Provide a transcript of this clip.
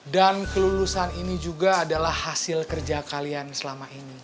dan kelulusan ini juga adalah hasil kerja kalian selama ini